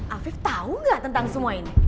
afif tau gak tentang semua ini